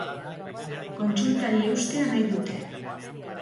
Kontsultari eustea nahi dute.